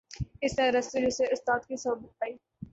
اس نے ارسطو جیسے استاد کی صحبت پائی